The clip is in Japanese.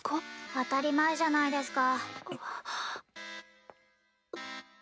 当たり前じゃないですか。